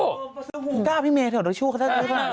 ประซาบพี่เมนเธอให้ของโรชชู้ถ้าเองมีของลดูมือ